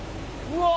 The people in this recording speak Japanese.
うわ。